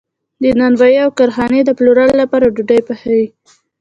نانوایی او کارخانې د پلورلو لپاره ډوډۍ پخوي.